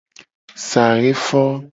Saxe fo.